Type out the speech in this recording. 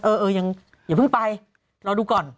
เอออย่าเพิ่งไปรอดูก่อน